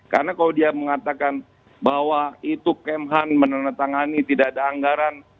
karena kalau dia mengatakan bahwa itu kmhan menenang tangani tidak ada anggaran